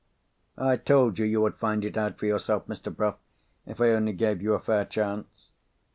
"I told you you would find it out for yourself, Mr. Bruff, if I only gave you a fair chance.